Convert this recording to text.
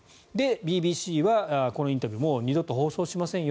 ＢＢＣはこのインタビューもう二度と放送しませんよ